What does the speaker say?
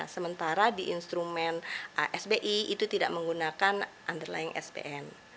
sementara di instrumen asbi itu tidak menggunakan underlying spn